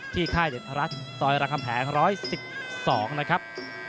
ค่ายเดชรัฐซอยรามคำแหง๑๑๒นะครับ